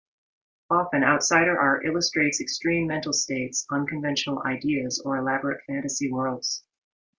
Often, outsider art illustrates extreme mental states, unconventional ideas, or elaborate fantasy worlds.